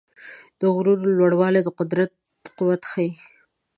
د غرونو لوړوالي د قدرت قوت ښيي.